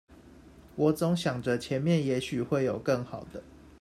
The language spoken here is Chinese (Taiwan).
我總想著前面也許會有更好的